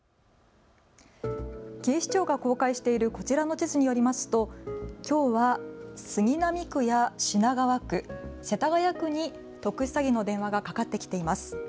警視庁が公開しているこちらの地図によりますときょうは杉並区や品川区、世田谷区に特殊詐欺の電話がかかってきています。